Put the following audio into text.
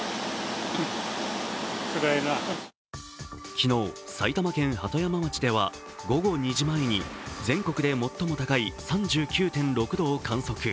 昨日、埼玉県鳩山町では午後２時前に全国で最も高い３９．６度を観測。